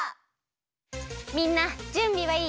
みんなじゅんびはいい？